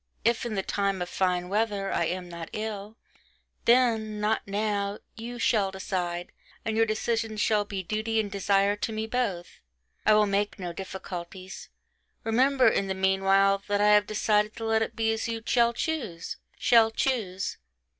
If in the time of fine weather, I am not ill, ... then ... not now ... you shall decide, and your decision shall be duty and desire to me, both I will make no difficulties. Remember, in the meanwhile, that I have decided to let it be as you shall choose ... shall choose.